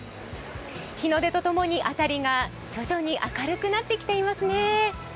日の出と共に辺りが徐々に明るくなってきていますね。